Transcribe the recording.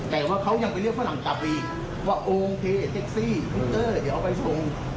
แต่ว่าเขายังไปเรียกฝรั่งกลับไปอีกว่าโอเคเท็กซี่วิกเตอร์เดี๋ยวเอาไปส่ง